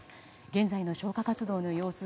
現在の消火活動の様子